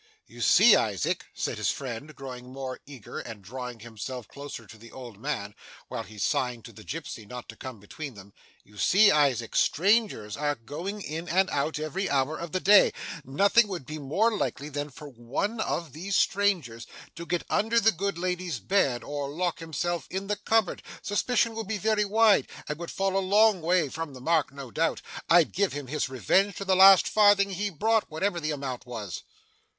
'You see, Isaac,' said his friend, growing more eager, and drawing himself closer to the old man, while he signed to the gipsy not to come between them; 'you see, Isaac, strangers are going in and out every hour of the day; nothing would be more likely than for one of these strangers to get under the good lady's bed, or lock himself in the cupboard; suspicion would be very wide, and would fall a long way from the mark, no doubt. I'd give him his revenge to the last farthing he brought, whatever the amount was.